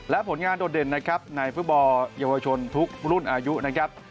และผลงานโดดเด่นนะครับในฟุตบอลเยาวชนทุกรุ่นอายุนะครับ